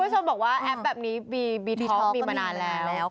พี่พุทธชมบอกว่าแอปแบบนี้บีทอล์กมีมานานแล้ว